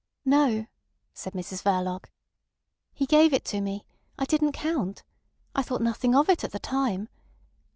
"No," said Mrs Verloc. "He gave it to me. I didn't count. I thought nothing of it at the time.